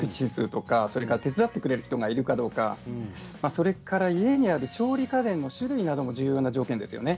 手伝ってくれる人がいるかどうかそれから家にある調理家電の種類なども重要な条件ですよね。